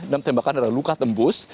enam tembakan adalah luka tembus